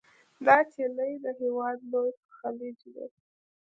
د چیلي د هیواد لوی خلیج دی.